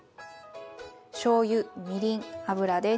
しょうゆみりん油です。